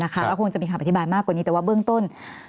ก็คงจะมีคำอธิบายมากกว่านี้แต่ว่าเบื้องต้น